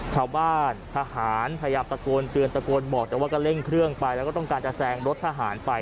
ทหารพยายามตะโกนเตือนตะโกนบอกแต่ว่าก็เร่งเครื่องไปแล้วก็ต้องการจะแซงรถทหารไป